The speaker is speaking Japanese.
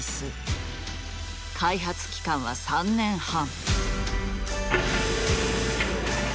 開発期間は３年半。